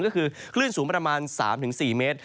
ก็คือคลื่นสูงประมาณ๓๔เมตร